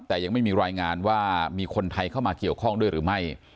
แต่ยังไม่มีรายงานว่ามีคนไทยเข้ามาเกี่ยวข้องด้วยหรือไม่